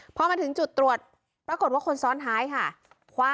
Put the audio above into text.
พอมาถึงจุดตรวจปรากฏว่าคนซ้อนท้ายค่ะ